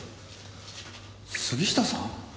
杉下さん？